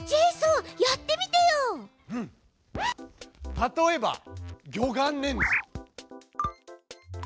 例えば魚眼レンズ。